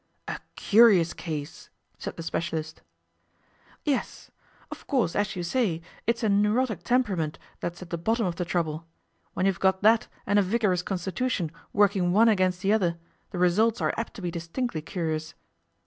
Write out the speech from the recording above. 'A curious case!' said the specialist. 'Yes. Of course, as you say, it's a neurotic temperament that's at the bottom of the trouble. When you've got that and a vigorous constitution working one against the other, the results are apt to be distinctly curious.